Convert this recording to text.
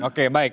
oke baik baik